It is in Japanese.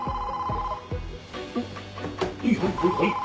☎おっはいはいはいはい。